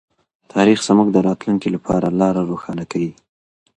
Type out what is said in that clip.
تاریخ زموږ د راتلونکي لپاره لاره روښانه کوي.